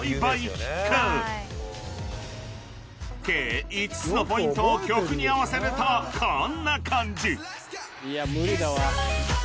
［計５つのポイントを曲に合わせるとこんな感じ］